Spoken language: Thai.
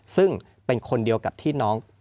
ซึ่งเป็นคนเดียวกับที่น้อง